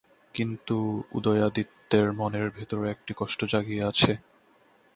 কিন্তু উদয়াদিত্যের মনের ভিতরে একটি কষ্ট জাগিয়া আছে।